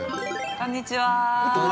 ◆こんにちは。